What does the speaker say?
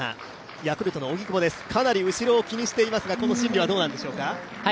ヤクルトの荻久保です、かなり後ろを気にしていますがこの心理はどうなんですか。